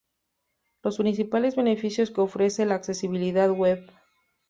Los principales beneficios que ofrece la accesibilidad web.